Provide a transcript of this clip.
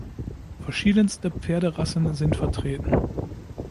Verschiedenste Pferderassen sind vertreten.